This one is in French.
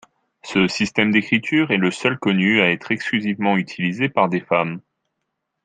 Ce système d'écriture est le seul connu à être exclusivement utilisé par des femmes.